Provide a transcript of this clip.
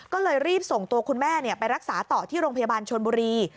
ก็เลยรีบส่งตัวคุณแม่ไปรักษาต่อที่โรงพยาบาลชนบุรี